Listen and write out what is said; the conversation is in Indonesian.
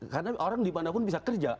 karena orang dimanapun bisa kerja